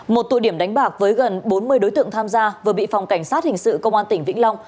một tụ điểm đánh bạc với gần bốn mươi đối tượng tham gia vừa bị phòng cảnh sát hình sự công an tỉnh vĩnh long